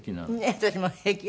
私も平気よ。